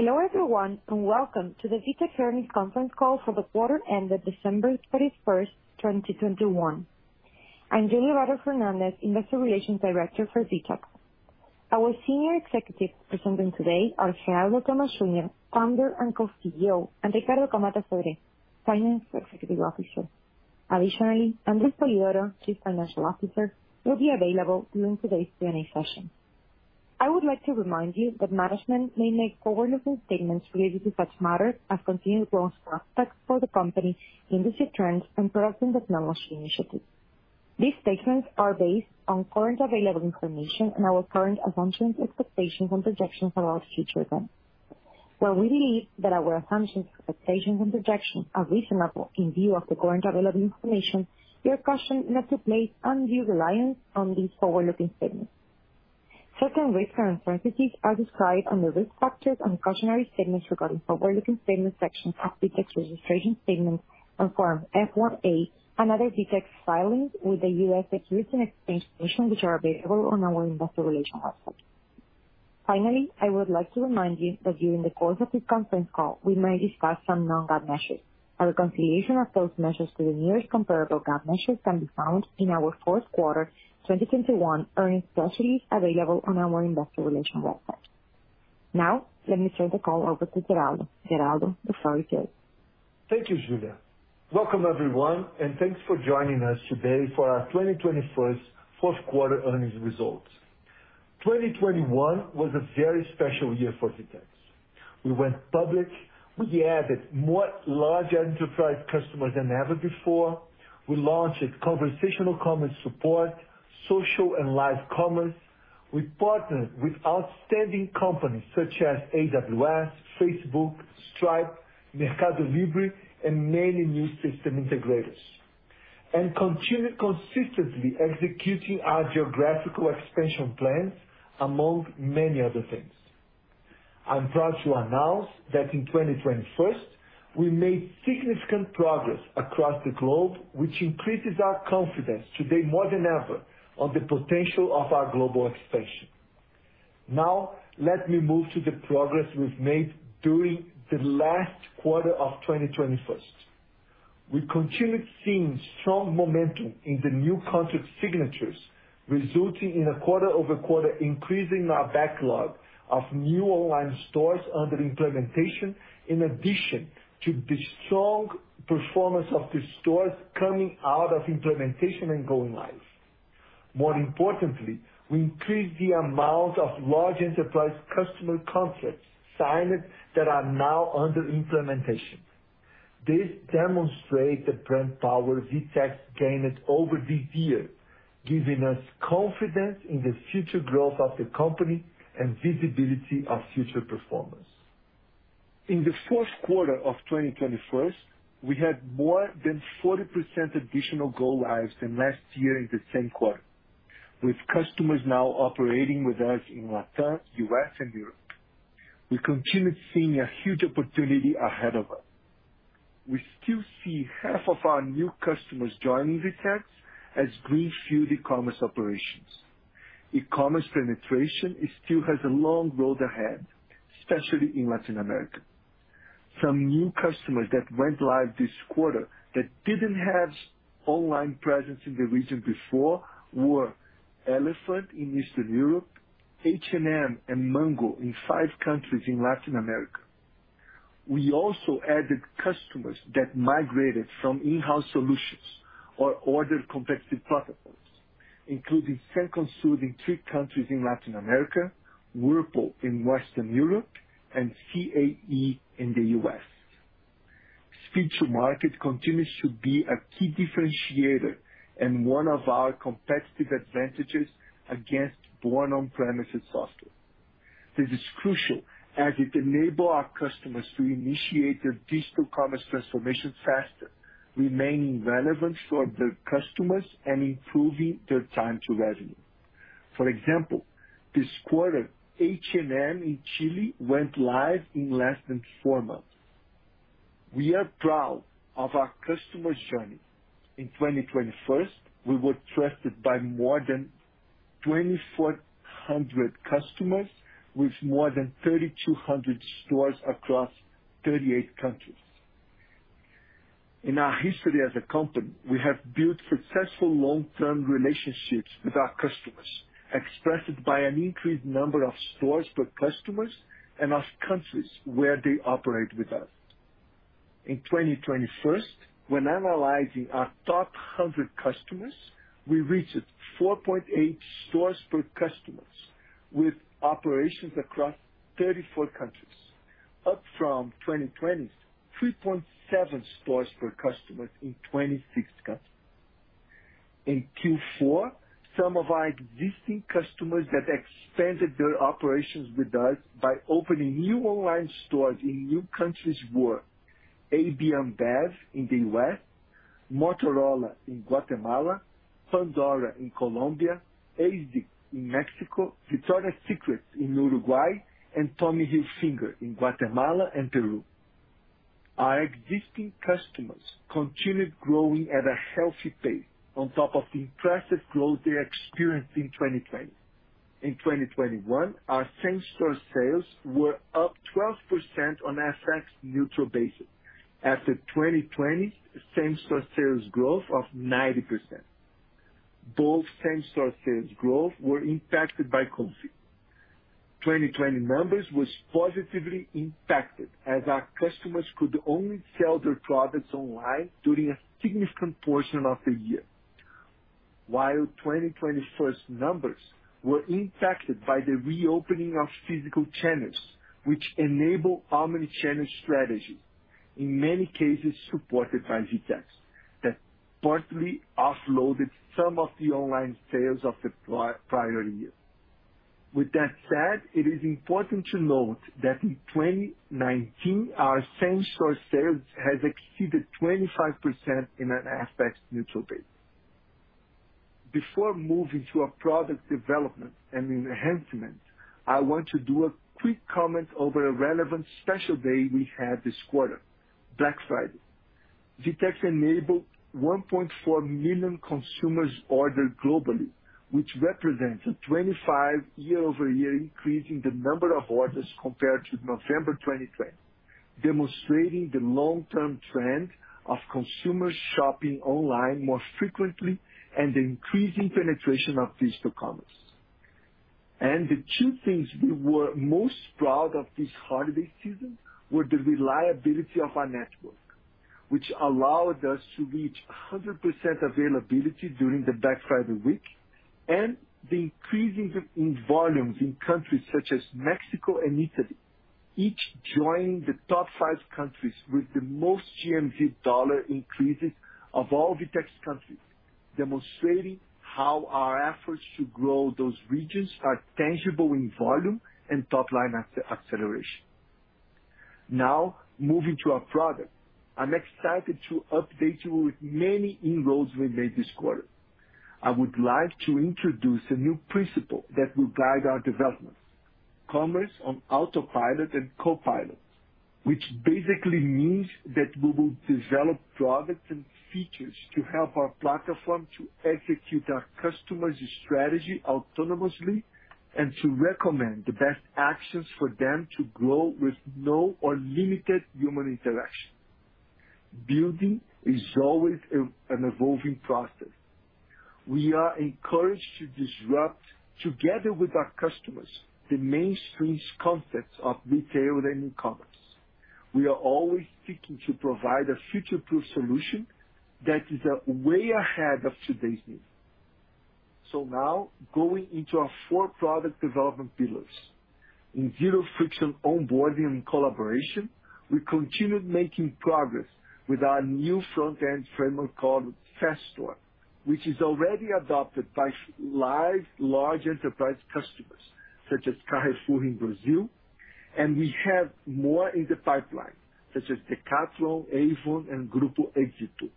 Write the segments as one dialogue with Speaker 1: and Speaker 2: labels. Speaker 1: Hello everyone, and welcome to the VTEX Earnings Conference Call for the quarter ended December 31, 2021. I'm Julia Vater Fernández, Investor Relations Director for VTEX. Our senior executives presenting today are Geraldo Thomaz Jr., Founder and Co-CEO, and Ricardo Camatta Sodré, Finance Executive Officer. Additionally, Andre Spolidoro, Chief Financial Officer, will be available during today's Q&A session. I would like to remind you that management may make forward-looking statements related to such matters as continued growth prospects for the company, industry trends, and product and technology initiatives. These statements are based on currently available information and our current assumptions, expectations and projections about future events. While we believe that our assumptions, expectations and projections are reasonable in view of the currently available information, we caution not to place undue reliance on these forward-looking statements. Certain risks and uncertainties are described under Risk Factors and Cautionary Statements Regarding Forward-Looking Statements section of VTEX registration statements on Form F-1/A and other VTEX filings with the US. Securities and Exchange Commission, which are available on our investor relations website. Finally, I would like to remind you that during the course of this Conference Call, we may discuss some non-GAAP measures. Our reconciliation of those measures to the nearest comparable GAAP measures can be found in our Q4 2021 earnings press release available on our investor relations website. Now let me turn the call over to Geraldo. Geraldo, the floor is yours.
Speaker 2: Thank you, Julia. Welcome everyone, and thanks for joining us today for our 2021 fourth quarter earnings results. 2021 was a very special year for VTEX. We went public. We added more large enterprise customers than ever before. We launched conversational commerce support, social and live commerce. We partnered with outstanding companies such as AWS, Facebook, Stripe, Mercado Libre, and many new system integrators. We continued consistently executing our geographical expansion plans, among many other things. I'm proud to announce that in 2021, we made significant progress across the globe, which increases our confidence today more than ever on the potential of our global expansion. Now let me move to the progress we've made during the last quarter of 2021. We continued seeing strong momentum in the new contract signatures, resulting in a quarter-over-quarter increase in our backlog of new online stores under implementation, in addition to the strong performance of the stores coming out of implementation and going live. More importantly, we increased the amount of large enterprise customer contracts signed that are now under implementation. This demonstrates the brand power VTEX gained over the years, giving us confidence in the future growth of the company and visibility of future performance. In the Q4 2021, we had more than 40% additional go-lives than last year in the same quarter, with customers now operating with us in LatAm, US. and Europe. We continued seeing a huge opportunity ahead of us. We still see half of our new customers joining VTEX as greenfield e-commerce operations. E-commerce penetration, it still has a long road ahead, especially in Latin America. Some new customers that went live this quarter that didn't have online presence in the region before were Elefant in Eastern Europe, H&M and Mango in five countries in Latin America. We also added customers that migrated from in-house solutions or other competitive platforms, including Cencosud in three countries in Latin America, Whirlpool in Western Europe, and CAE in the US. Speed to market continues to be a key differentiator and one of our competitive advantages against born on-premises software. This is crucial as it enable our customers to initiate their digital commerce transformation faster, remaining relevant for their customers and improving their time to revenue. For example, this quarter, H&M in Chile went live in less than four months. We are proud of our customers' journey. In 2021, we were trusted by more than 2,400 customers with more than 3,200 stores across 38 countries. In our history as a company, we have built successful long-term relationships with our customers, expressed by an increased number of stores per customers and as countries where they operate with us. In 2021, when analyzing our top 100 customers, we reached 4.8 stores per customers with operations across 34 countries, up from 2020's 3.7 stores per customers in 26 countries. In Q4, some of our existing customers that expanded their operations with us by opening new online stores in new countries were AB InBev in the US., Motorola in Guatemala, Pandora in Colombia, ASICS in Mexico, Victoria's Secret in Uruguay, and Tommy Hilfiger in Guatemala and Peru. Our existing customers continued growing at a healthy pace on top of the impressive growth they experienced in 2020. In 2021, our same-store sales were up 12% on FX neutral basis after 2020 same-store sales growth of 90%. Both same-store sales growth were impacted by COVID. 2020 numbers was positively impacted as our customers could only sell their products online during a significant portion of the year. While 2021 numbers were impacted by the reopening of physical channels, which enable omni-channel strategy, in many cases supported by VTEX, that partly offloaded some of the online sales of the prior year. With that said, it is important to note that in 2019, our same-store sales has exceeded 25% in an FX neutral base. Before moving to our product development and enhancement, I want to do a quick comment over a relevant special day we had this quarter, Black Friday. VTEX enabled 1.4 million consumers order globally, which represents a 25% year-over-year increase in the number of orders compared to November 2020, demonstrating the long-term trend of consumers shopping online more frequently and the increasing penetration of digital commerce. The two things we were most proud of this holiday season were the reliability of our network, which allowed us to reach 100% availability during the Black Friday week, and the increase in volumes in countries such as Mexico and Italy, each joining the top five countries with the most GMV dollar increases of all VTEX countries, demonstrating how our efforts to grow those regions are tangible in volume and top-line acceleration. Now moving to our product. I'm excited to update you with many inroads we made this quarter. I would like to introduce a new principle that will guide our development, commerce on autopilot and copilot, which basically means that we will develop products and features to help our platform to execute our customers' strategy autonomously and to recommend the best actions for them to grow with no or limited human interaction. Building is always an evolving process. We are encouraged to disrupt together with our customers the mainstream concepts of retail and e-commerce. We are always seeking to provide a future-proof solution that is way ahead of today's needs. Now going into our four product development pillars. In zero-friction onboarding and collaboration, we continued making progress with our new front-end framework called FastStore, which is already adopted by five large enterprise customers such as Carrefour in Brazil, and we have more in the pipeline, such as Decathlon, Avon and Grupo Éxito.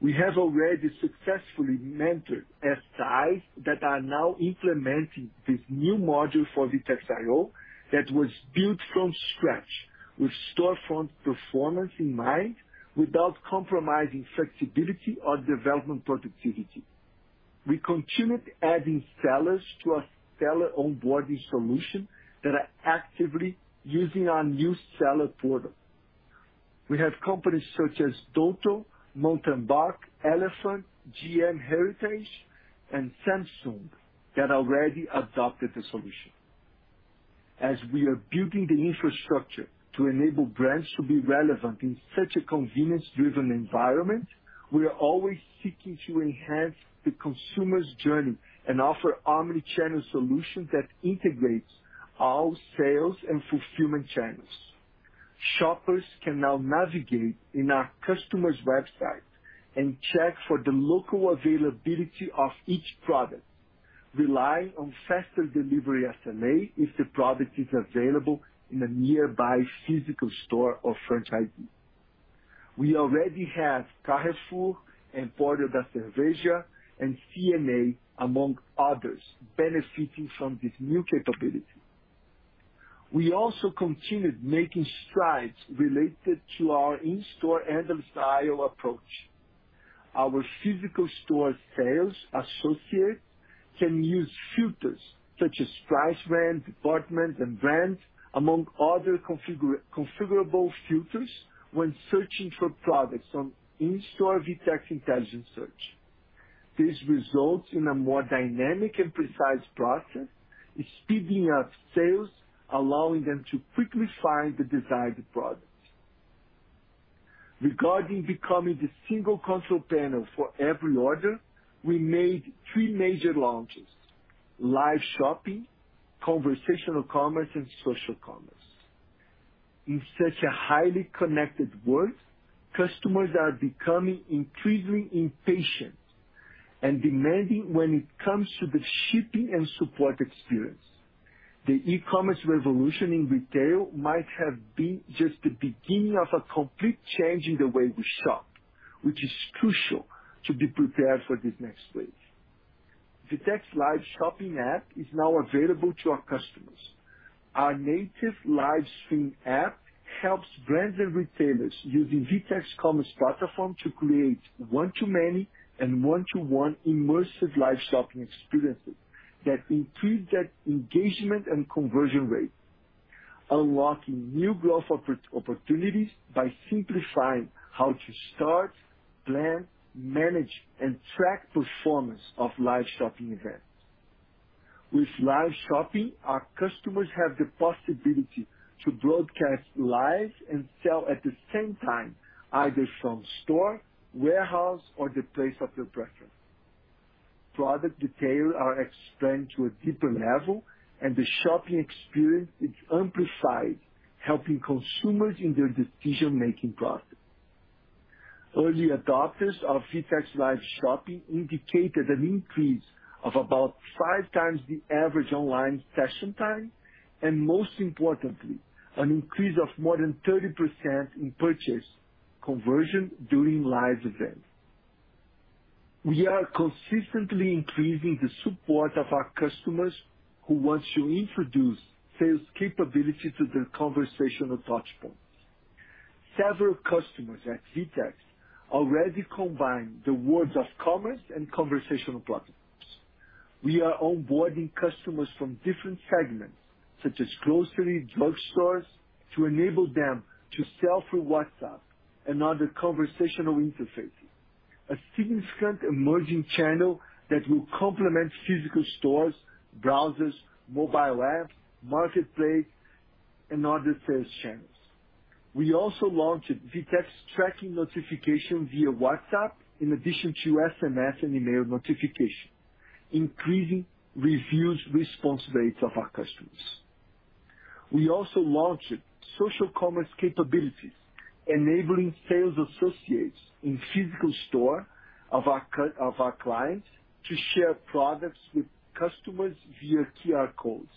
Speaker 2: We have already successfully mentored SIs that are now implementing this new module for VTEX IO that was built from scratch with storefront performance in mind without compromising flexibility or development productivity. We continued adding sellers to our seller onboarding solution that are actively using our new seller portal. We have companies such as Doto, MontenBaik, Elefant, GM Heritage and Samsung that already adopted the solution. As we are building the infrastructure to enable brands to be relevant in such a convenience-driven environment, we are always seeking to enhance the consumer's journey and offer omni-channel solutions that integrates all sales and fulfillment channels. Shoppers can now navigate in our customer's website and check for the local availability of each product, rely on faster delivery SLA if the product is available in a nearby physical store or franchisee. We already have Carrefour and Empório da Cerveja and CNA, among others, benefiting from this new capability. We also continued making strides related to our in-store endless aisle approach. Our physical store sales associates can use filters such as price range, department and brands, among other configurable filters when searching for products from in-store VTEX intelligent search. This results in a more dynamic and precise process, speeding up sales, allowing them to quickly find the desired products. Regarding becoming the single-control panel for every order, we made three major launches: live shopping, conversational commerce and social commerce. In such a highly connected world, customers are becoming increasingly impatient and demanding when it comes to the shipping and support experience. The e-commerce revolution in retail might have been just the beginning of a complete change in the way we shop, which is crucial to be prepared for this next phase. VTEX Live Shopping app is now available to our customers. Our native live stream app helps brands and retailers using VTEX Commerce Platform to create one-to-many and one-to-one immersive live shopping experiences that increase that engagement and conversion rate, unlocking new growth opportunities by simplifying how to start, plan, manage, and track performance of live shopping events. With live shopping, our customers have the possibility to broadcast live and sell at the same time, either from store, warehouse or the place of their preference. Product details are explained to a deeper level, and the shopping experience is amplified, helping consumers in their decision-making process. Early adopters of VTEX Live Shopping indicated an increase of about 5 times the average online session time, and most importantly, an increase of more than 30% in purchase conversion during live events. We are consistently increasing the support of our customers who want to introduce sales capability to their conversational touch points. Several customers at VTEX already combine the worlds of commerce and conversational platforms. We are onboarding customers from different segments such as grocery, drugstores, to enable them to sell through WhatsApp and other conversational interfaces. A significant emerging channel that will complement physical stores, browsers, mobile apps, marketplace and other sales channels. We also launched VTEX tracking notification via WhatsApp in addition to SMS and email notification, increasing reviews response rates of our customers. We also launched social commerce capabilities, enabling sales associates in physical store of our clients to share products with customers via QR codes.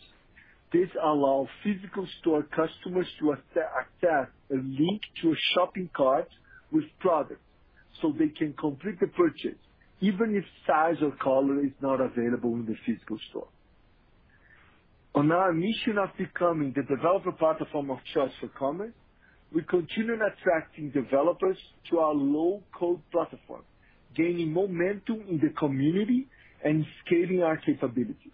Speaker 2: This allows physical store customers to access a link to a shopping cart with products so they can complete the purchase even if size or color is not available in the physical store. On our mission of becoming the developer platform of choice for commerce, we continue attracting developers to our low-code platform, gaining momentum in the community and scaling our capabilities.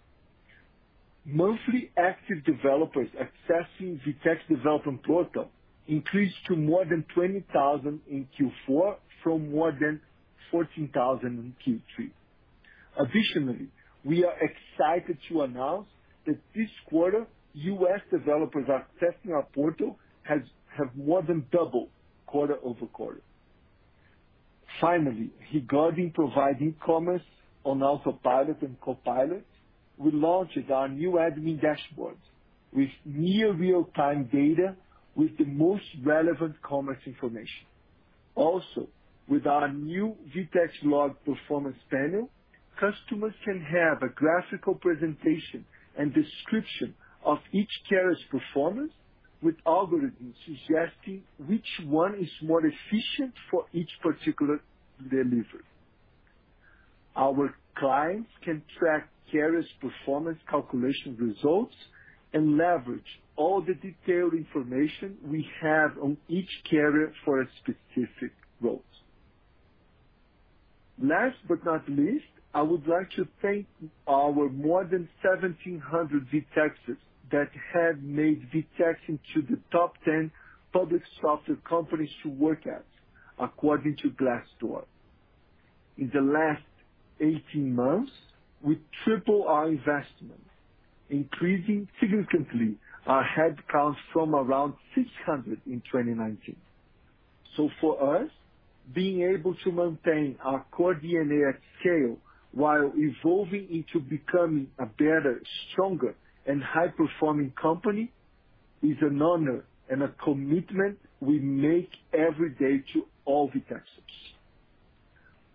Speaker 2: Monthly active developers accessing VTEX development portal increased to more than 20,000 in Q4 from more than 14,000 in Q3. Additionally, we are excited to announce that this quarter, US. developers accessing our portal have more than doubled quarter-over-quarter. Finally, regarding providing commerce on autopilot and copilot, we launched our new admin dashboard with near real-time data with the most relevant commerce information. Also, with our new VTEX Log Performance panel, customers can have a graphical presentation and description of each carrier's performance with algorithms suggesting which one is more efficient for each particular delivery. Our clients can track carriers' performance calculation results and leverage all the detailed information we have on each carrier for a specific route. Last but not least, I would like to thank our more than 1,700 VTEXers that have made VTEX into the top 10 public software companies to work at according to Glassdoor. In the last 18 months, we tripled our investments, increasing significantly our headcounts from around 600 in 2019. For us, being able to maintain our core DNA at scale while evolving into becoming a better, stronger, and high-performing company is an honor and a commitment we make every day to all VTEXers.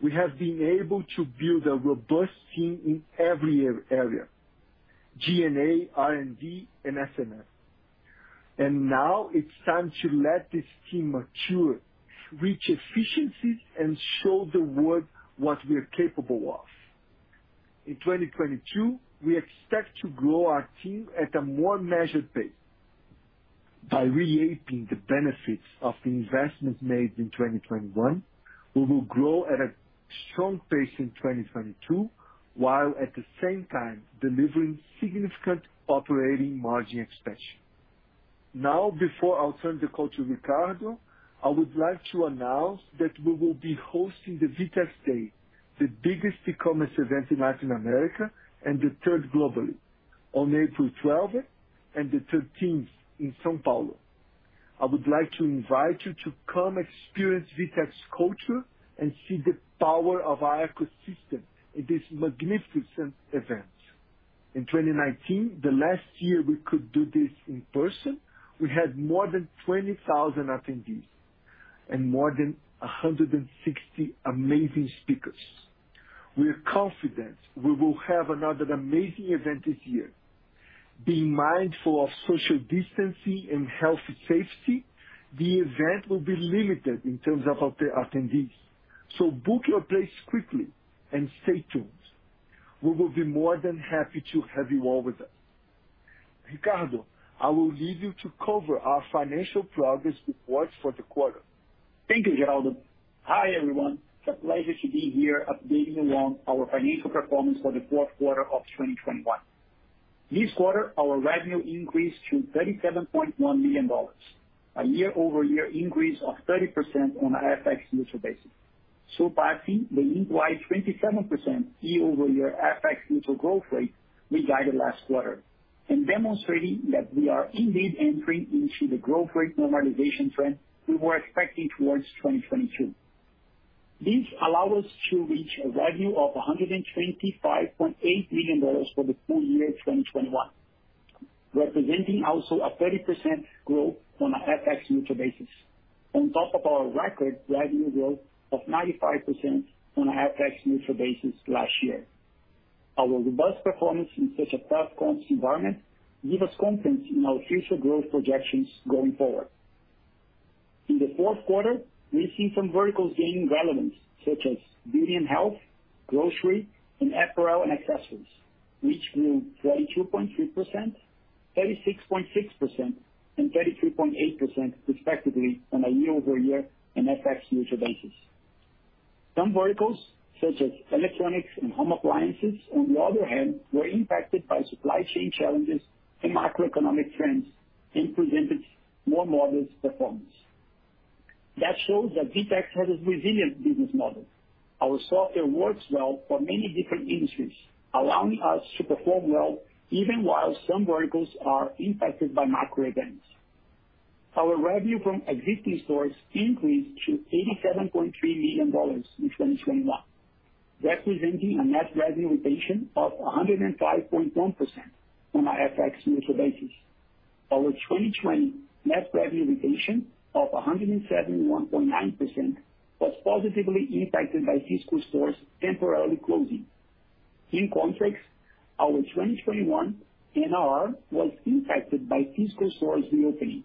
Speaker 2: We have been able to build a robust team in every area, G&A, R&D, and S&M. Now it's time to let this team mature, reach efficiencies, and show the world what we're capable of. In 2022, we expect to grow our team at a more measured pace. By reaping the benefits of the investments made in 2021, we will grow at a strong pace in 2022, while at the same time delivering significant operating margin expansion. Now, before I'll turn the call to Ricardo, I would like to announce that we will be hosting the VTEX Day, the biggest e-commerce event in Latin America and the third globally on April twelfth and the thirteenth in São Paulo. I would like to invite you to come experience VTEX culture and see the power of our ecosystem in this magnificent event. In 2019, the last year we could do this in person, we had more than 20,000 attendees and more than 160 amazing speakers. We are confident we will have another amazing event this year. Being mindful of social distancing and health safety, the event will be limited in terms of attendees. Book your place quickly and stay tuned. We will be more than happy to have you all with us. Ricardo, I will leave you to cover our financial progress reports for the quarter.
Speaker 3: Thank you, Geraldo. Hi, everyone. It's a pleasure to be here updating you on our financial performance for the Q4 2021. This quarter, our revenue increased to $37.1 million, a year-over-year increase of 30% on an FX neutral basis, surpassing the 27% year-over-year FX neutral growth rate we guided last quarter and demonstrating that we are indeed entering into the growth rate normalization trend we were expecting towards 2022. This allows us to reach a revenue of $125.8 million for the full-year 2021, representing also a 30% growth on a FX neutral basis on top of our record revenue growth of 95% on a FX neutral basis last year. Our robust performance in such a tough cost environment gives us confidence in our future growth projections going forward. In the Q4, we see some verticals gaining relevance, such as beauty and health, grocery, and apparel and accessories, which grew 22.3%, 36.6%, and 33.8% respectively on a year-over-year and FX neutral basis. Some verticals such as electronics and home appliances on the other hand, were impacted by supply chain challenges and macroeconomic trends and presented more modest performance. That shows that VTEX has a resilient business model. Our software works well for many different industries, allowing us to perform well even while some verticals are impacted by macro events. Our revenue from existing stores increased to $87.3 million in 2021, representing a net revenue retention of 105.1% on a FX neutral basis. Our 2020 net revenue retention of 171.9% was positively impacted by physical stores temporarily closing. In contrast, our 2021 NRR was impacted by physical stores reopening.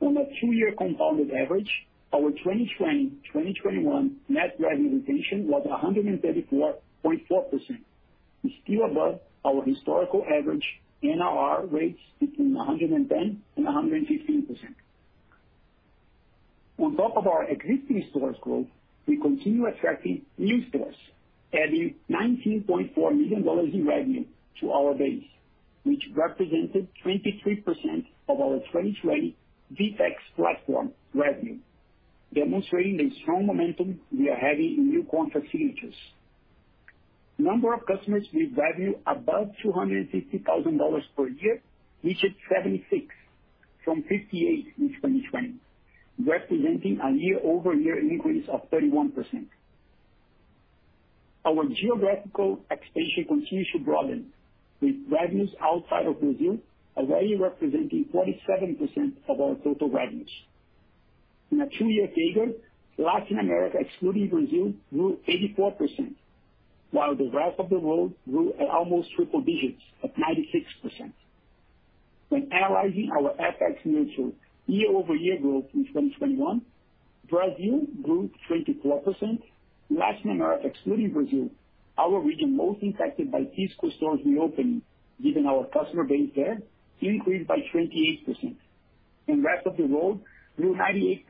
Speaker 3: On a 2-year compounded average, our 2020/2021 net revenue retention was 134.4%, still above our historical average NRR rates between 110% and 115%. On top of our existing stores growth, we continue attracting new stores, adding $19.4 million in revenue to our base, which represented 23% of our 2020 VTEX platform revenue, demonstrating the strong momentum we are having in new facilities. The number of customers with revenue above $250,000 per year reached 76 from 58 in 2020, representing a year-over-year increase of 31%. Our geographical expansion continues to broaden, with revenues outside of Brazil already representing 47% of our total revenues. In a two-year figure, Latin America excluding Brazil grew 84%, while the rest of the world grew at almost triple digits at 96%. When analyzing our FX neutral year-over-year growth in 2021, Brazil grew 24%. Latin America, excluding Brazil, our region most impacted by physical stores reopening given our customer base there, increased by 28%. Rest of the world grew 98%,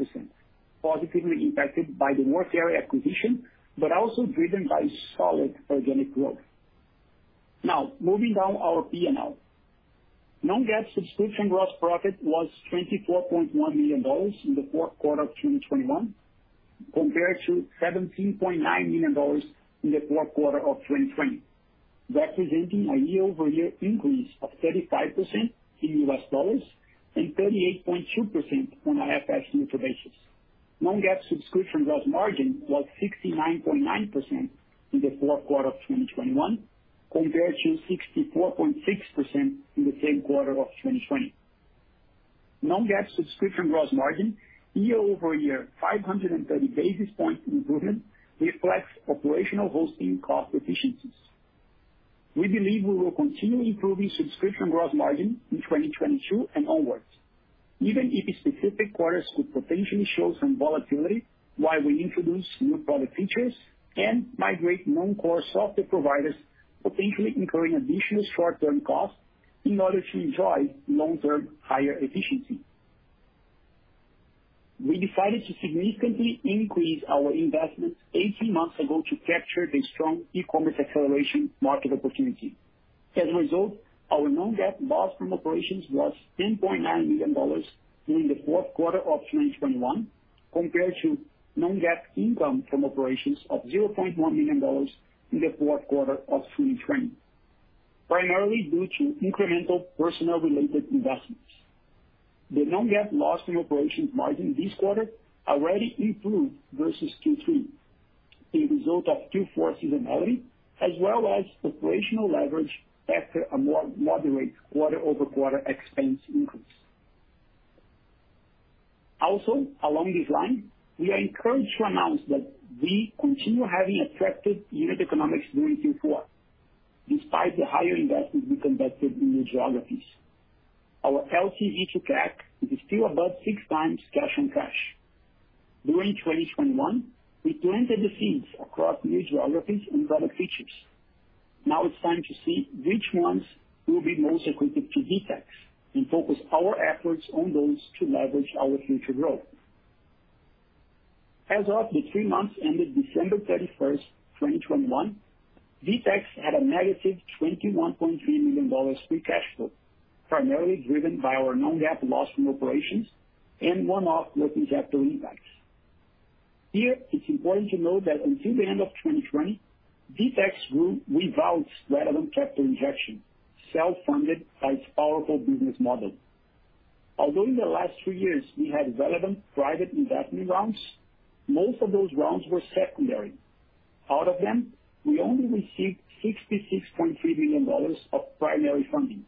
Speaker 3: positively impacted by the Workarea acquisition, but also driven by solid organic growth. Now, moving down our P&L. Non-GAAP subscription gross profit was $24.1 million in the Q4 2021, compared to $17.9 million in the Q4 2020, representing a year-over-year increase of 35% in US dollars and 38.2% on a FX neutral basis. Non-GAAP subscription gross margin was 69.9% in the Q4 2021 compared to 64.6% in the same quarter of 2020. Non-GAAP subscription gross margin year-over-year 530 basis points improvement reflects operational hosting cost efficiencies. We believe we will continue improving subscription gross margin in 2022 and onwards, even if specific quarters could potentially show some volatility while we introduce new product features and migrate non-core software providers, potentially incurring additional short-term costs in order to enjoy long-term higher efficiency. We decided to significantly increase our investments 18 months ago to capture the strong e-commerce acceleration market opportunity. As a result, our non-GAAP loss from operations was $10.9 million during the Q4 2021 compared to non-GAAP income from operations of $0.1 million in the Q4 2020, primarily due to incremental personnel-related investments. The non-GAAP loss from operations margin this quarter already improved versus Q3 as a result of Q4 seasonality as well as operational leverage after a more moderate quarter-over-quarter expense increase. Also, along this line, we are encouraged to announce that we continue having attractive unit economics during Q4, despite the higher investment we conducted in new geographies. Our LTV to CAC is still above six times cash on cash. During 2021, we planted the seeds across new geographies and product features. Now it's time to see which ones will be most equipped to VTEX, and focus our efforts on those to leverage our future growth. As of the three months ended December 31, 2021, VTEX had a negative $21.3 million free cash flow, primarily driven by our non-GAAP loss from operations and one-off working capital impacts. Here, it's important to note that until the end of 2020, VTEX grew without relevant capital injections, self-funded by its powerful business model. Although in the last three years we had relevant private investment rounds, most of those rounds were secondary. Out of them, we only received $66.3 million of primary funding.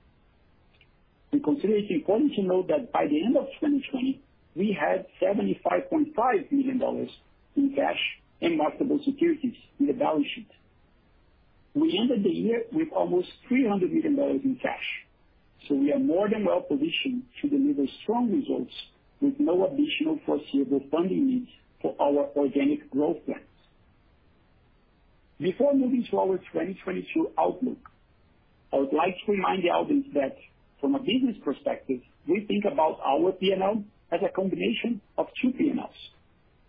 Speaker 3: We consider it important to note that by the end of 2020, we had $75.5 million in cash and marketable securities in the balance sheet. We ended the year with almost $300 million in cash, so we are more than well-positioned to deliver strong results with no additional foreseeable funding needs for our organic growth plans. Before moving to our 2022 outlook, I would like to remind the audience that from a business perspective, we think about our P&L as a combination of two P&Ls: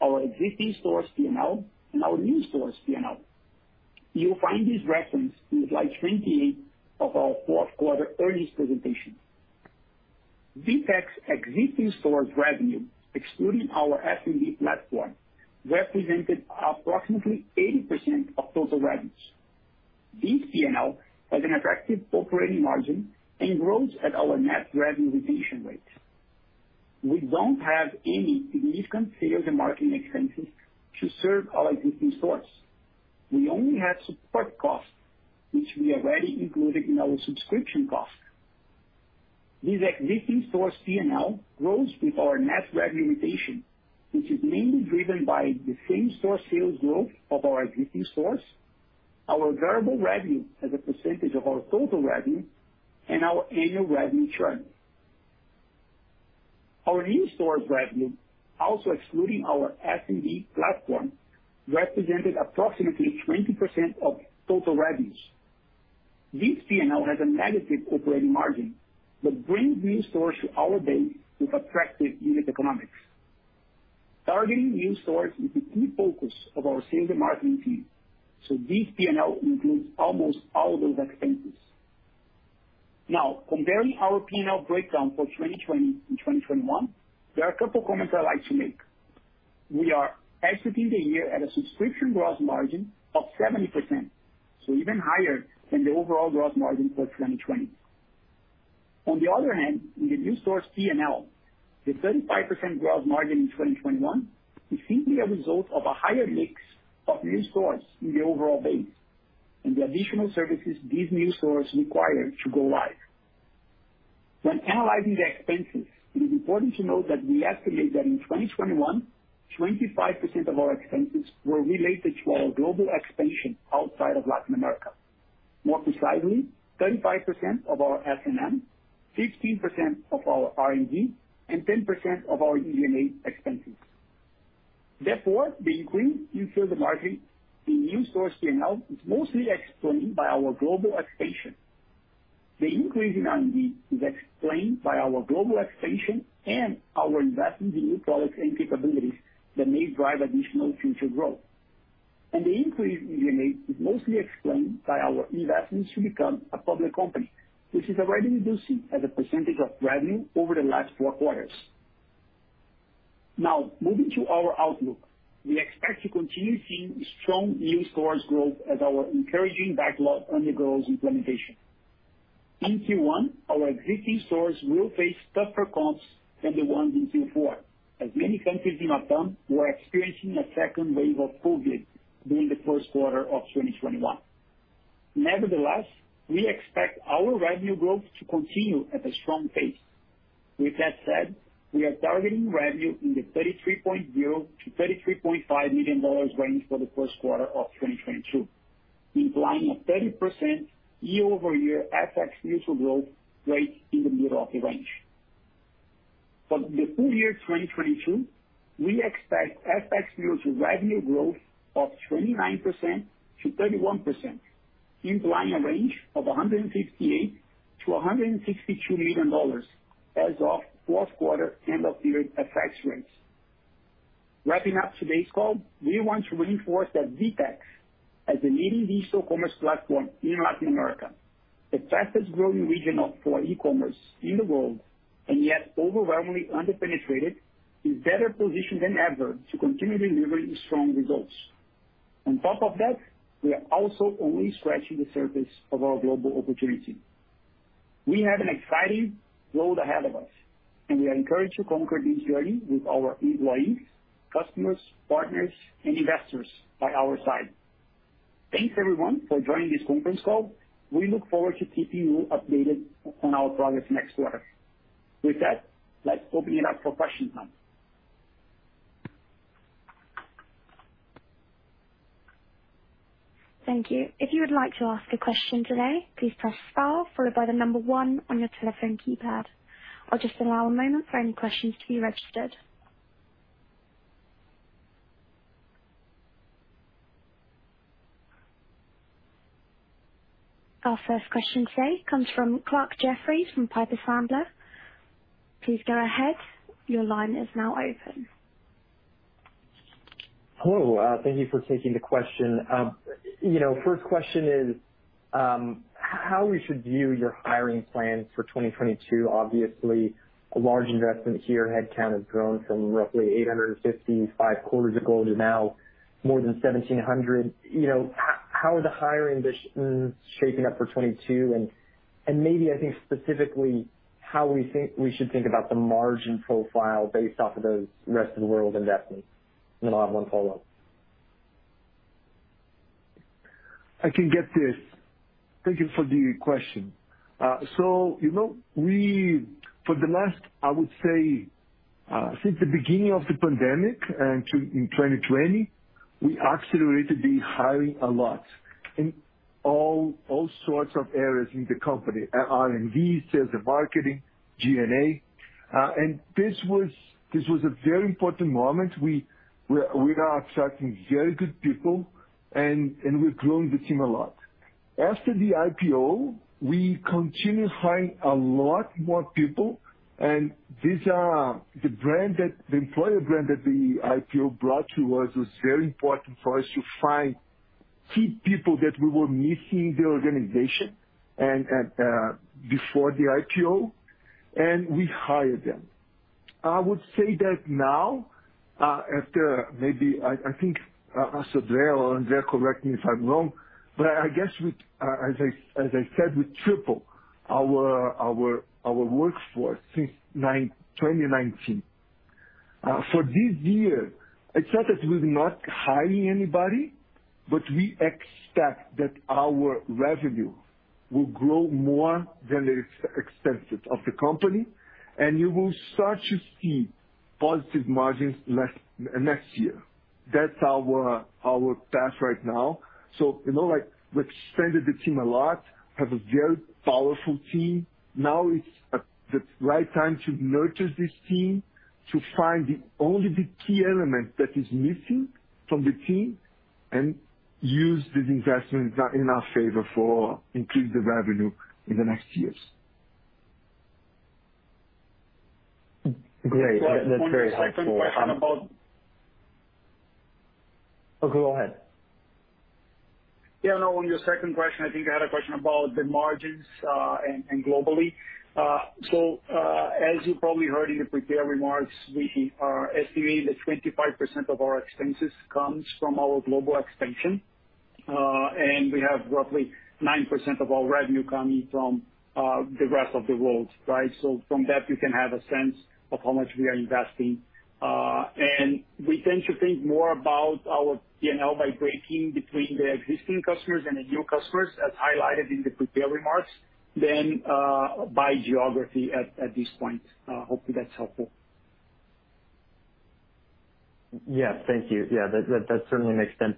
Speaker 3: our existing stores P&L and our new stores P&L. You'll find this referenced in slide 28 of our Q4 quarter earnings presentation. VTEX existing stores revenue, excluding our SMB platform, represented approximately 80% of total revenues. This P&L has an attractive operating margin and grows at our net revenue retention rates. We don't have any significant sales and marketing expenses to serve our existing stores. We only have support costs, which we already included in our subscription cost. This existing stores P&L grows with our net revenue retention, which is mainly driven by the same-store sales growth of our existing stores, our variable revenue as a percentage of our total revenue, and our annual revenue churn. Our new stores revenue, also excluding our SMB platform, represented approximately 20% of total revenues. This P&L has a negative operating margin, but brings new stores to our base with attractive unit economics. Targeting new stores is a key focus of our sales and marketing team, so this P&L includes almost all those expenses. Now, comparing our P&L breakdown for 2020 and 2021, there are a couple comments I'd like to make. We are exiting the year at a subscription gross margin of 70%, so even higher than the overall gross margin for 2020. On the other hand, in the new stores P&L, the 35% gross margin in 2021 is simply a result of a higher mix of new stores in the overall base and the additional services these new stores require to go live. When analyzing the expenses, it is important to note that we estimate that in 2021, 25% of our expenses were related to our global expansion outside of Latin America. More precisely, 35% of our S&M, 15% of our R&D, and 10% of our G&A expenses. Therefore, the increase in sales and marketing in new stores P&L is mostly explained by our global expansion. The increase in R&D is explained by our global expansion and our investments in new products and capabilities that may drive additional future growth. The increase in G&A is mostly explained by our investments to become a public company, which is already reducing as a percentage of revenue over the last four quarters. Now, moving to our outlook. We expect to continue seeing strong new stores growth as our encouraging backlog undergoes implementation. In Q1, our existing stores will face tougher comps than the ones in Q4, as many countries in LATAM were experiencing a second wave of COVID during the Q1 2021. Nevertheless, we expect our revenue growth to continue at a strong pace. With that said, we are targeting revenue in the $33.0-$33.5 million range for the Q1 2022, implying a 30% year-over-year FX neutral growth rate in the middle of the range. For the full-year 2022, we expect FX neutral revenue growth of 29%-31%, implying a range of $158-$162 million as of Q4 end of period FX rates. Wrapping up today's call, we want to reinforce that VTEX, as a leading digital commerce platform in Latin America, the fastest growing region for e-commerce in the world and yet overwhelmingly under-penetrated, is better positioned than ever to continue delivering strong results. On top of that, we are also only scratching the surface of our global opportunity. We have an exciting road ahead of us, and we are encouraged to conquer this journey with our employees, customers, partners, and investors by our side.
Speaker 2: Thanks everyone for joining this Conference Call. We look forward to keeping you updated on our progress next quarter. With that, let's open it up for questions now.
Speaker 4: Thank you. If you would like to ask a question today, please press star followed by the number 1 on your telephone keypad. I'll just allow a moment for any questions to be registered. Our first question today comes from Clarke Jeffries from Piper Sandler. Please go ahead. Your line is now open.
Speaker 5: Hello. Thank you for taking the question. You know, first question is, how we should view your hiring plans for 2022. Obviously, a large investment here. Headcount has grown from roughly 855 quarters ago to now more than 1,700. You know, how are the hiring visions shaping up for 2022? And maybe, I think specifically how we should think about the margin profile based off of those rest of the world investments. Then I'll have one follow-up.
Speaker 2: I can get this. Thank you for the question. So, you know, we for the last... I would say, since the beginning of the pandemic, in 2020, we accelerated the hiring a lot in all sorts of areas in the company. At R&D, sales and marketing, G&A. And this was a very important moment. We are attracting very good people and we've grown the team a lot. After the IPO, we continue hiring a lot more people, and these are the brand the employer brand that the IPO brought to us was very important for us to find key people that we were missing in the organization and at before the IPO, and we hired them. I would say that now, after maybe I think, Andre correct me if I'm wrong, but I guess as I said, we triple our workforce since 2019. For this year, it's not that we're not hiring anybody, but we expect that our revenue will grow more than the expenses of the company, and you will start to see positive margins next year. That's our path right now. You know, like we expanded the team a lot, have a very powerful team. Now it's at the right time to nurture this team, to find the only the key element that is missing from the team and use this investment in our favor for increase the revenue in the next years.
Speaker 5: Great. That's very helpful.
Speaker 2: On your second question about.
Speaker 5: Oh, go ahead.
Speaker 2: Yeah. No, on your second question, I think I had a question about the margins, and globally. As you probably heard in the prepared remarks, we are estimating that 25% of our expenses comes from our global expansion. We have roughly 9% of our revenue coming from the rest of the world, right? From that, you can have a sense of how much we are investing. We tend to think more about our P&L by breaking between the existing customers and the new customers, as highlighted in the prepared remarks than by geography at this point. Hopefully that's helpful.
Speaker 5: Yeah. Thank you. Yeah, that certainly makes sense.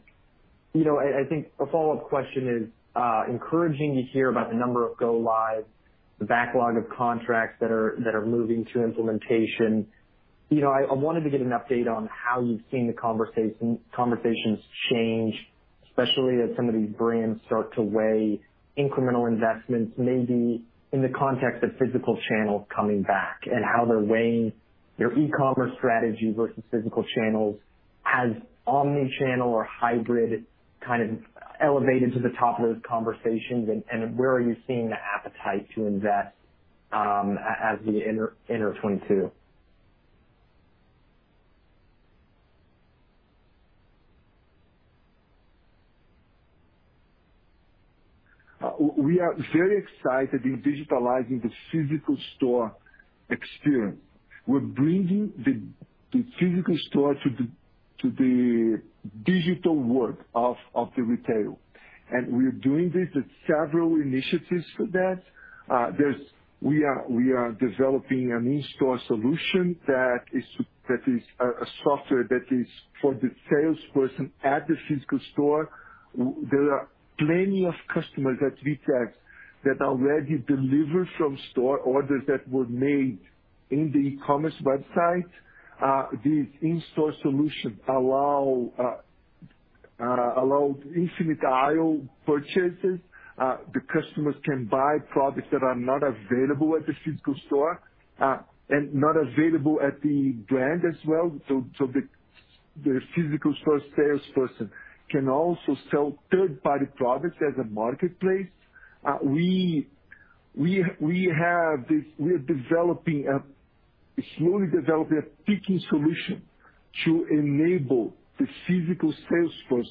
Speaker 5: You know, I think a follow-up question is encouraging to hear about the number of go lives, the backlog of contracts that are moving to implementation. You know, I wanted to get an update on how you've seen the conversations change, especially as some of these brands start to weigh incremental investments, maybe in the context of physical channels coming back and how they're weighing their e-commerce strategy versus physical channels. Has omni-channel or hybrid kind of elevated to the top of those conversations? And where are you seeing the appetite to invest as we enter 2022?
Speaker 2: We are very excited in digitalizing the physical store experience. We're bringing the physical store to the digital world of the retail. We are doing this with several initiatives for that. We are developing an in-store solution that is a software that is for the salesperson at the physical store. There are plenty of customers at VTEX that already deliver from store orders that were made in the e-commerce website. These in-store solution allow infinite aisle purchases. The customers can buy products that are not available at the physical store and not available at the brand as well. The physical store salesperson can also sell third-party products as a marketplace. We are slowly developing a picking solution to enable the physical sales force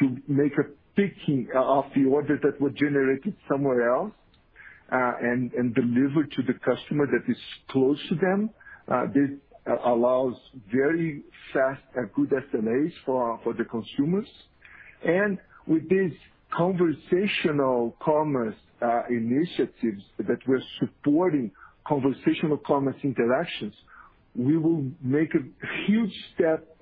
Speaker 2: to make a picking of the orders that were generated somewhere else.
Speaker 3: Deliver to the customer that is close to them. This allows very fast and good SLAs for the consumers. With this conversational commerce initiatives that we're supporting conversational commerce interactions, we will make a huge step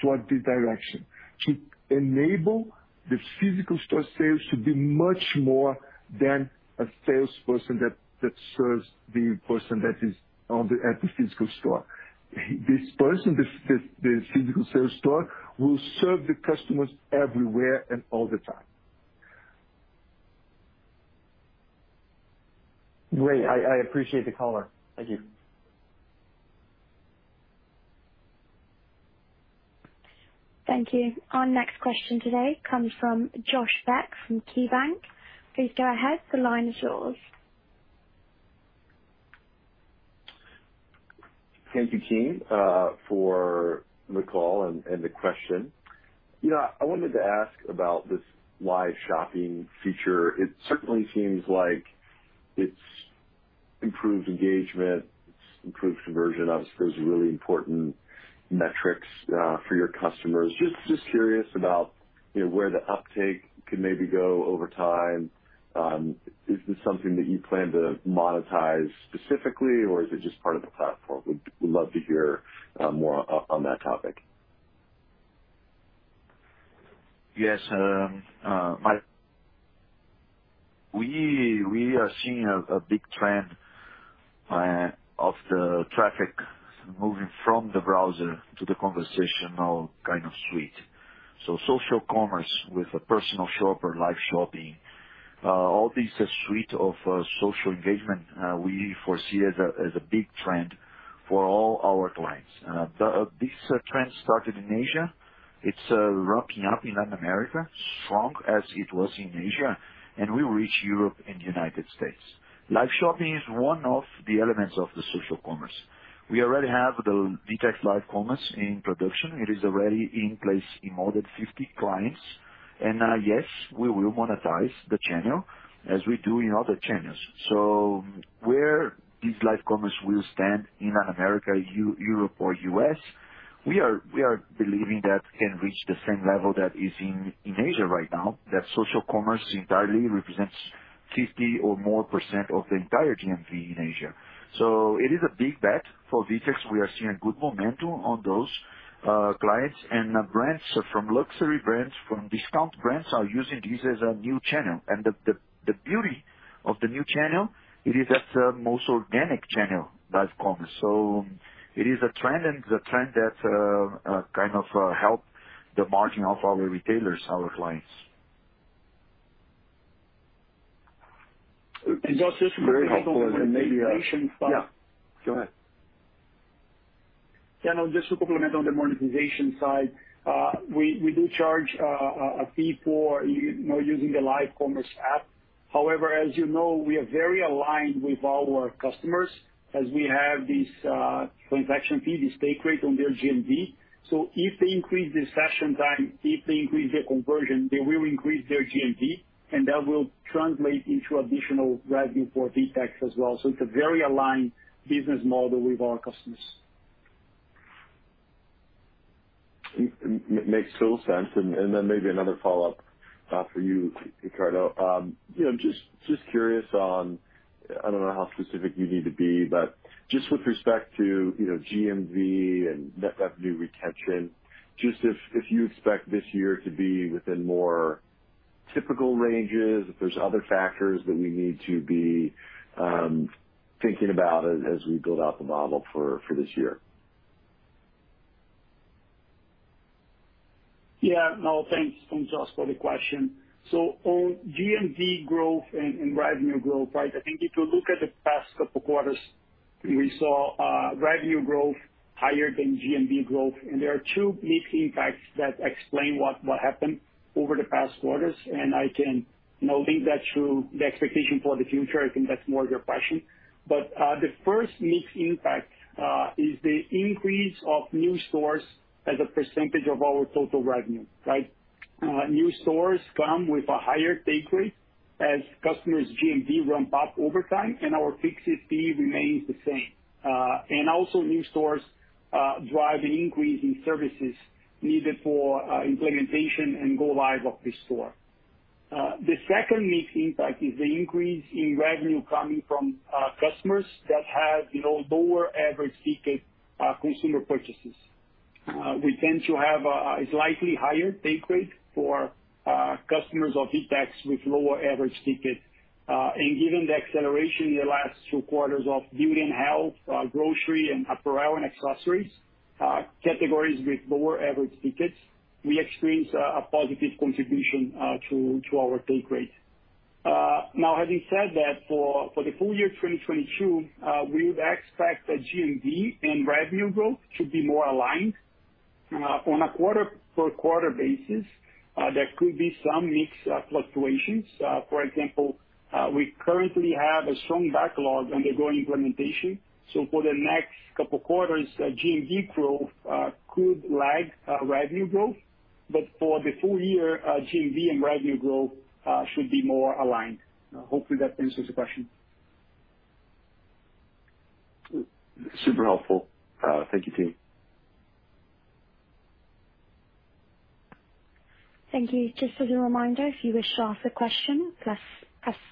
Speaker 3: toward this direction to enable the physical store sales to be much more than a salesperson that serves the person that is at the physical store. This person, this physical sales store will serve the customers everywhere and all the time.
Speaker 2: Great. I appreciate the color. Thank you.
Speaker 4: Thank you. Our next question today comes from Josh Beck from KeyBanc. Please go ahead. The line is yours.
Speaker 6: Thank you, Keith, for the call and the question. You know, I wanted to ask about this live shopping feature. It certainly seems like it's improved engagement. It's improved conversion. Obviously, those are really important metrics for your customers. Just curious about, you know, where the uptake could maybe go over time. Is this something that you plan to monetize specifically or is it just part of the platform? We'd love to hear more on that topic.
Speaker 3: Yes, we are seeing a big trend of the traffic moving from the browser to the conversational kind of suite. Social commerce with a personal shopper, live shopping, all these suite of social engagement we foresee as a big trend for all our clients. This trend started in Asia. It's ramping up in Latin America, strong as it was in Asia, and will reach Europe and United States. Live shopping is one of the elements of the social commerce. We already have the VTEX Live Shopping in production. It is already in place in more than 50 clients. Yes, we will monetize the channel as we do in other channels. Where this live commerce will stand in Latin America, EU, Europe or US., we are believing that can reach the same level that is in Asia right now. That social commerce entirely represents 50% or more of the entire GMV in Asia. It is a big bet for VTEX. We are seeing good momentum on those clients and brands from luxury brands, from discount brands are using this as a new channel. And the beauty of the new channel, it is the most organic channel, live commerce. It is a trend, and the trend that kind of helps the margin of our retailers, our clients.
Speaker 2: Just to-
Speaker 3: Very helpful. Maybe,
Speaker 2: Yeah, go ahead.
Speaker 3: Yeah. No, just to complement on the monetization side, we do charge a fee for you know, using the live commerce app. However, as you know, we are very aligned with our customers as we have this transaction fee, the take rate on their GMV. If they increase the session time, if they increase their conversion, they will increase their GMV, and that will translate into additional revenue for VTEX as well. It's a very aligned business model with our customers.
Speaker 6: Makes total sense. Then maybe another follow-up for you, Ricardo. You know, just curious on, I don't know how specific you need to be, but just with respect to, you know, GMV and net revenue retention, just if you expect this year to be within more typical ranges, if there's other factors that we need to be thinking about as we build out the model for this year.
Speaker 3: Yeah. No, thanks, Josh, for the question. On GMV growth and revenue growth, right? I think if you look at the past couple quarters, we saw revenue growth higher than GMV growth. There are two mixed impacts that explain what happened over the past quarters, and I can now link that to the expectation for the future. I think that's more of your question. The first mixed impact is the increase of new stores as a percentage of our total revenue, right? New stores come with a higher-take rate as customers GMV ramp up over time and our fixed fee remains the same. New stores drive an increase in services needed for implementation and go live of the store. The second mixed impact is the increase in revenue coming from customers that have, you know, lower average ticket consumer purchases. We tend to have a slightly higher-take rate for customers of VTEX with lower average ticket. Given the acceleration in the last two quarters of beauty and health, grocery and apparel and accessories categories with lower average tickets, we experienced a positive contribution to our take rate. Now, having said that, for the full-year 2022, we would expect that GMV and revenue growth to be more aligned on a quarter-over-quarter basis. There could be some mixed fluctuations. For example, we currently have a strong backlog undergoing implementation. For the next couple quarters, GMV growth could lag revenue growth. For the full-year, GMV and revenue growth should be more aligned. Hopefully that answers the question.
Speaker 6: Super helpful. Thank you, team.
Speaker 4: Thank you. Just as a reminder, if you wish to ask a question, press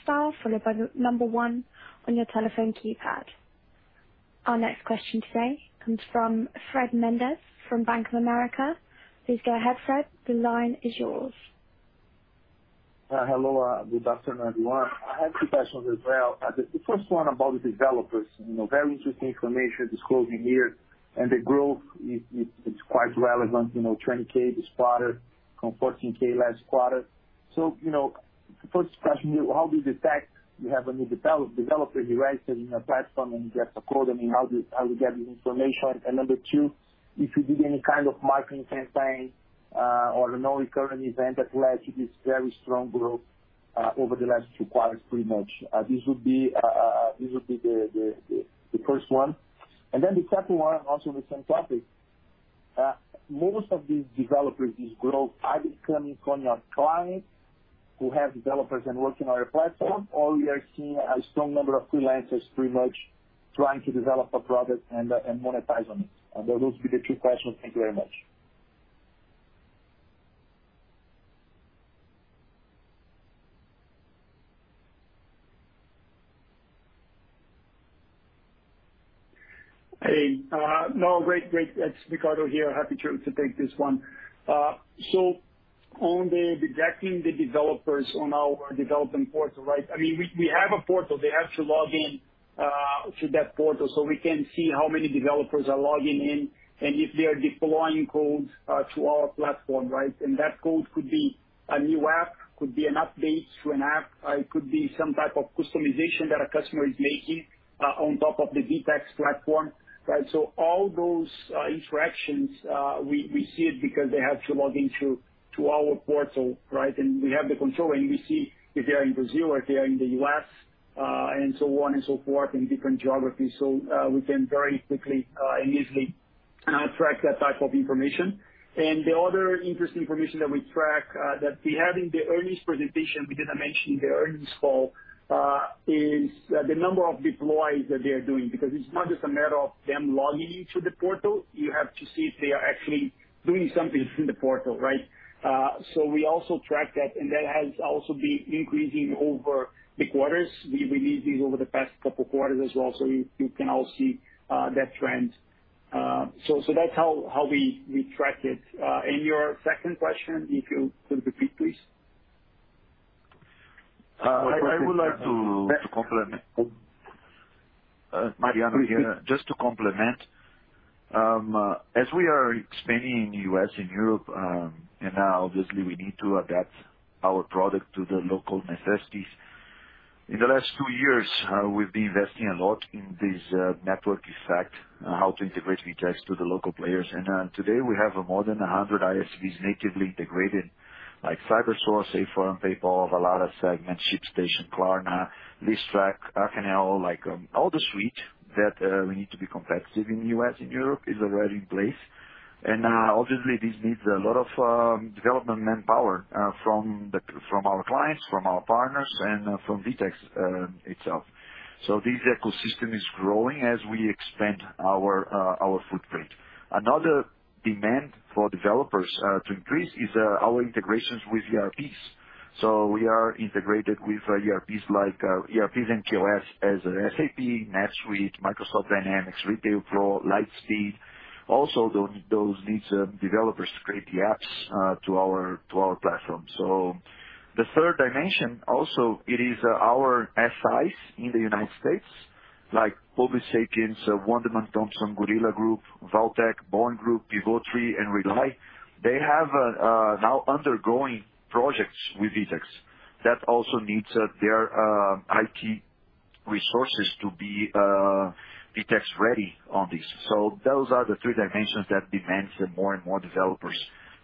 Speaker 4: star followed by 1 on your telephone keypad. Our next question today comes from Fred Mendes from Bank of America. Please go ahead, Fred. The line is yours.
Speaker 7: Hello. Good afternoon, everyone. I have two questions as well. The first one about the developers. You know, very interesting information disclosing here. The growth is, it's quite relevant, you know, 20K this quarter from 14K last quarter. First question, how do you detect you have a new developer who writes in your platform and gets a code? I mean, how do you get this information? Number two, if you did any kind of marketing campaign or a non-recurring event that led to this very strong growth over the last two quarters pretty much. This would be the first one. Then the second one, also on the same topic. Most of these developers, this growth, are they coming from your clients who have developers and working on your platform? Or you are seeing a strong number of freelancers pretty much trying to develop a product and monetize on it? Those would be the two questions. Thank you very much.
Speaker 3: Hey, no, great. It's Ricardo here. Happy to take this one. On the detecting the developers on our development portal, right? I mean, we have a portal. They have to log in to that portal so we can see how many developers are logging in and if they are deploying codes to our platform, right? That code could be a new app, could be an update to an app. It could be some type of customization that a customer is making on top of the VTEX platform, right? All those interactions, we see it because they have to log into our portal, right? We have the control, and we see if they are in Brazil or if they are in the US., and so on and so forth, in different geographies. We can very quickly and easily track that type of information. The other interesting information that we track that we have in the earnings presentation, we did not mention in the earnings call, is the number of deploys that they are doing, because it's not just a matter of them logging into the portal. You have to see if they are actually doing something from the portal, right? We also track that, and that has also been increasing over the quarters. We released these over the past couple quarters as well, so you can all see that trend. That's how we track it. Your second question, if you could repeat, please.
Speaker 8: I would like to complement. Mariano here. Just to complement. As we are expanding in US. and Europe, and now obviously we need to adapt our product to the local necessities. In the last two years, we've been investing a lot in this network effect, how to integrate VTEX to the local players. Today we have more than 100 ISVs natively integrated, like CyberSource, Affirm, PayPal, Avalara, Segment, ShipStation, Klarna, Listrak, Akeneo, like all the suite that we need to be competitive in US. and Europe is already in place. Obviously this needs a lot of development manpower from our clients, from our partners, and from VTEX itself. This ecosystem is growing as we expand our footprint.
Speaker 7: Another demand for developers to increase is our integrations with ERPs. We are integrated with ERPs and OMS such as SAP, NetSuite, Microsoft Dynamics, Retail Pro, Lightspeed. Also, those needs developers to create the apps to our platform. The third dimension also it is our SIs in the United States, like Publicis Sapient, Wunderman Thompson, Gorilla Group, Valtech, Born Group, Pivotree, and Rely. They have now undergoing projects with VTEX that also needs their IT resources to be VTEX ready on this. Those are the three dimensions that demands more and more developers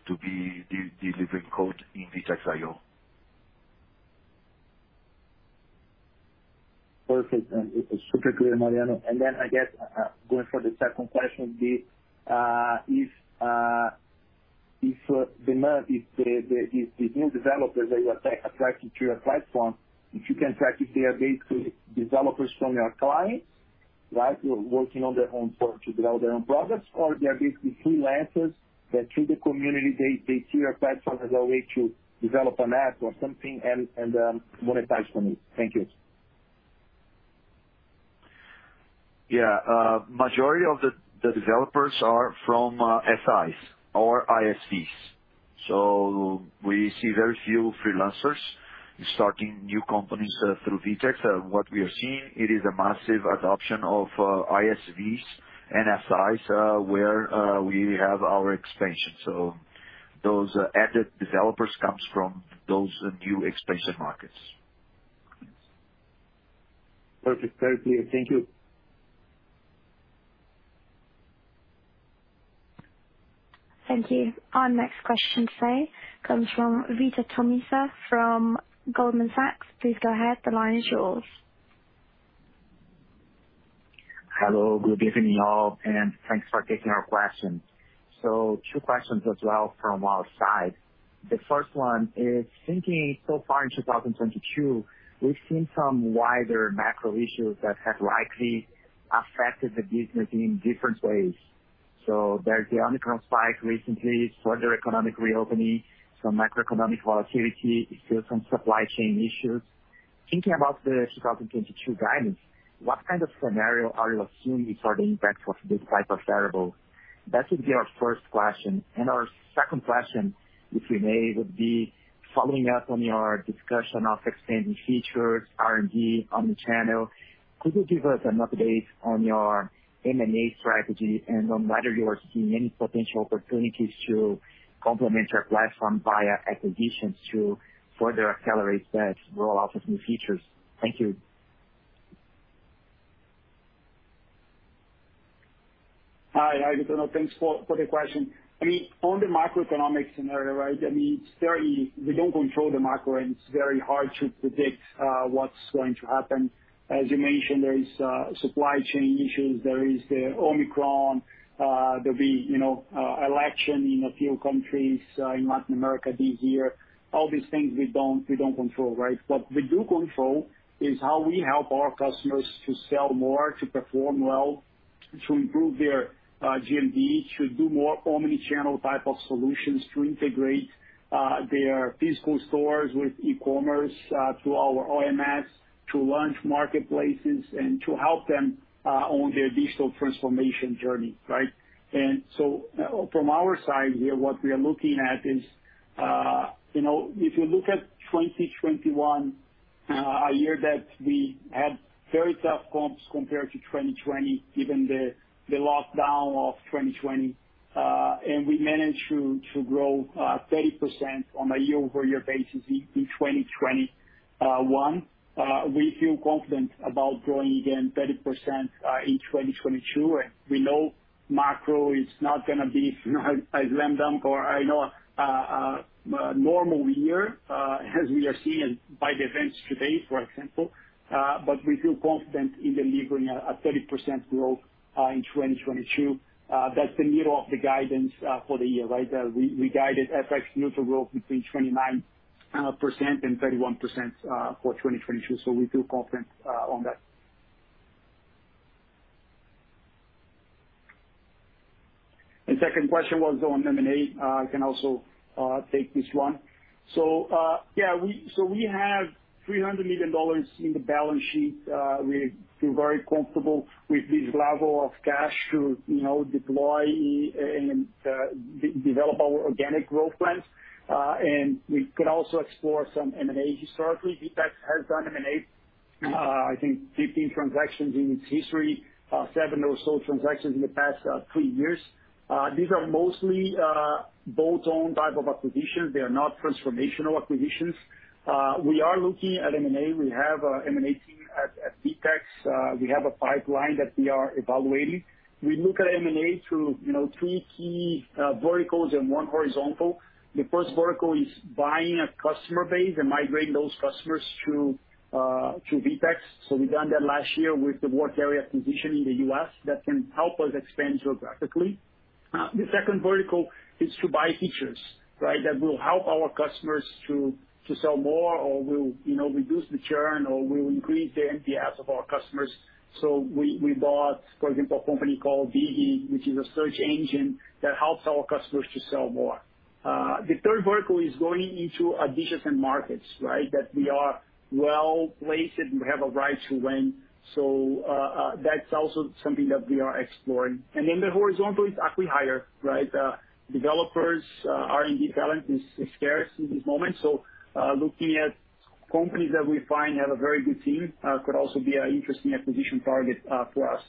Speaker 7: to be delivering code in VTEX IO. Perfect. It's super clear, Mariano. I guess going for the second question would be if the new developers that you attract to your platform, if you can track if they are basically developers from your clients, right? Working on their own portal to develop their own products or they are basically freelancers that through the community they see your platform as a way to develop an app or something and monetize from it. Thank you.
Speaker 3: Yeah. Majority of the developers are from SIs or ISVs. We see very few freelancers starting new companies through VTEX. What we are seeing, it is a massive adoption of ISVs and SIs, where we have our expansion. Those added developers comes from those new expansion markets.
Speaker 7: Perfect. Very clear. Thank you.
Speaker 4: Thank you. Our next question today comes from Vitor Tomita from Goldman Sachs. Please go ahead. The line is yours.
Speaker 9: Hello, good evening, all, and thanks for taking our questions. Two questions as well from our side. The first one is thinking so far in 2022, we've seen some wider macro issues that have likely affected the business in different ways. There's the Omicron spike recently, further economic reopening, some macroeconomic volatility, still some supply chain issues. Thinking about the 2022 guidance, what kind of scenario are you assuming for the impact of these type of variables? That would be our first question. Our second question, if we may, would be following up on your discussion of expanding features, R&D on the channel. Could you give us an update on your M&A strategy and on whether you are seeing any potential opportunities to complement your platform via acquisitions to further accelerate that rollout of new features? Thank you.
Speaker 3: Hi, Vitor. Thanks for the question. I mean, on the macroeconomic scenario, right, I mean, we don't control the macro, and it's very hard to predict what's going to happen. As you mentioned, there is supply chain issues. There is the Omicron. There'll be, you know, election in a few countries in Latin America this year. All these things we don't control, right? What we do control is how we help our customers to sell more, to perform well, to improve their GMV, to do more omni-channel type of solutions, to integrate their physical stores with e-commerce through our OMS, to launch marketplaces and to help them on their digital transformation journey, right? From our side here, what we are looking at is, you know, if you look at 2021, a year that we had very tough comps compared to 2020, given the lockdown of 2020, and we managed to grow 30% on a year-over-year basis in 2021. We feel confident about growing again 30% in 2022. We know macro is not gonna be, you know, as landmark or, you know, a normal year, as we are seeing by the events today, for example. But we feel confident in delivering a 30% growth in 2022. That's the middle of the guidance for the year, right? We guided FX neutral growth between 29%-31% for 2022. We feel confident on that. The second question was on M&A. I can also take this one. We have $300 million on the balance sheet. We feel very comfortable with this level of cash to, you know, deploy and develop our organic growth plans. We could also explore some M&A. Historically, VTEX has done M&A. I think 15 transactions in its history, seven or so transactions in the past three years. These are mostly bolt-on type of acquisitions. They are not transformational acquisitions. We are looking at M&A. We have a M&A team at VTEX. We have a pipeline that we are evaluating. We look at M&A through, you know, three key verticals and one horizontal. The first vertical is buying a customer base and migrating those customers to VTEX. We've done that last year with the Workarea acquisition in the US. that can help us expand geographically. The second vertical is to buy features, right, that will help our customers to sell more or will, you know, reduce the churn, or will increase the NPS of our customers. We bought, for example, a company called Biggy, which is a search engine that helps our customers to sell more. The third vertical is going into adjacent markets, right? That we are well-placed, and we have a right to win. That's also something that we are exploring. Then the horizontal is acquihire, right? Developers, R&D talent is scarce in this moment. Looking at companies that we find have a very good team could also be an interesting acquisition target for us.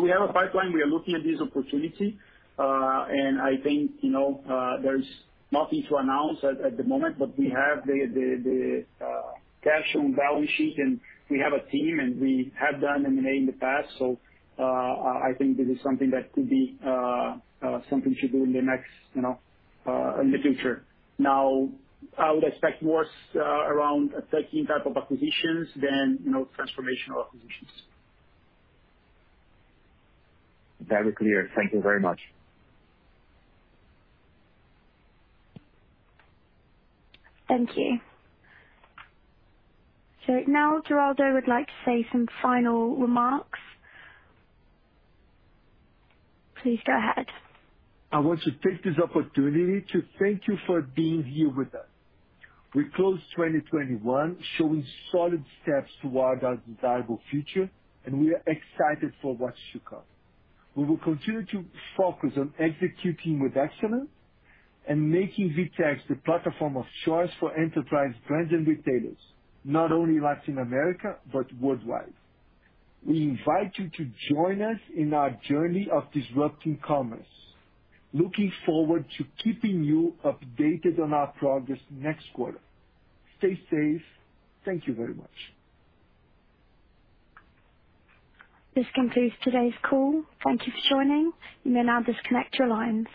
Speaker 3: We have a pipeline. We are looking at this opportunity. I think, you know, there is nothing to announce at the moment, but we have the cash on balance sheet, and we have a team, and we have done M&A in the past. I think this is something that could be something to do in the next, you know, in the future. Now, I would expect more around a certain type of acquisitions than, you know, transformational acquisitions.
Speaker 9: Very clear. Thank you very much.
Speaker 4: Thank you. Now Geraldo would like to say some final remarks. Please go ahead.
Speaker 2: I want to take this opportunity to thank you for being here with us. We closed 2021 showing solid steps toward our desirable future, and we are excited for what's to come. We will continue to focus on executing with excellence and making VTEX the platform of choice for enterprise brands and retailers, not only Latin America but worldwide. We invite you to join us in our journey of disrupting commerce. Looking forward to keeping you updated on our progress next quarter. Stay safe. Thank you very much.
Speaker 4: This concludes today's call. Thank you for joining. You may now disconnect your lines.